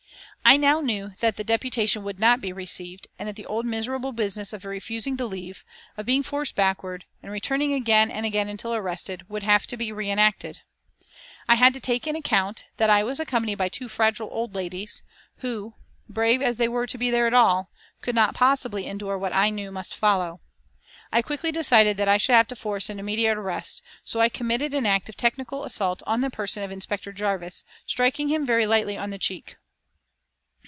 I now knew that the deputation would not be received and that the old miserable business of refusing to leave, of being forced backward, and returning again and again until arrested, would have to be re enacted. I had to take into account that I was accompanied by two fragile old ladies, who, brave as they were to be there at all, could not possibly endure what I knew must follow. I quickly decided that I should have to force an immediate arrest, so I committed an act of technical assault on the person of Inspector Jarvis, striking him very lightly on the cheek.